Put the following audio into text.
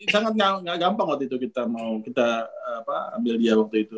sangat gak gampang waktu itu kita mau kita ambil dia waktu itu